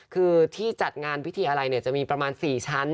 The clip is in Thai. คือที่จัดงานพิธีอะไรจะมีประมาณ๔ชั้น